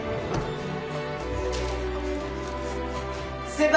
先輩！